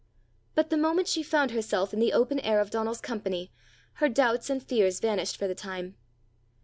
But the moment she found herself in the open air of Donal's company, her doubts and fears vanished for the time.